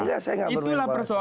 ya saya nggak bermain dengan bahasa